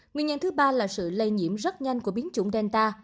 nguyên nhân thứ ba là sự lây nhiễm rất nhanh của biến chủng delta